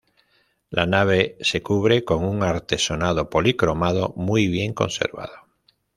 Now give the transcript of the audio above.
La nave se cubre con un artesonado policromado muy bien conservado.